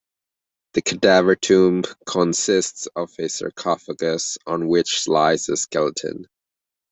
The cadaver tomb consists of a sarcophagus on which lies a skeleton.